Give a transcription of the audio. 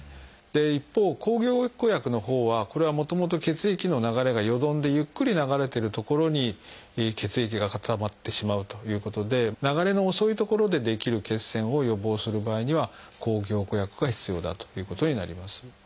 一方抗凝固薬のほうはこれはもともと血液の流れがよどんでゆっくり流れてる所に血液が固まってしまうということで流れの遅い所で出来る血栓を予防する場合には抗凝固薬が必要だということになります。